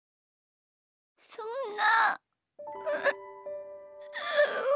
そんな。